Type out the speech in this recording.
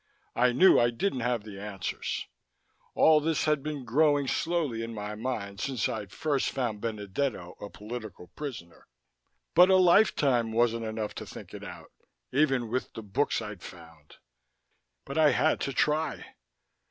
I knew I didn't have the answers. All this had been growing slowly in my mind since I'd first found Benedetto a political prisoner, but a lifetime wasn't enough to think it out, even with the books I'd found. But I had to try.